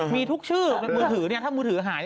มีทุกชื่อในมือถือถ้ามือถือหาย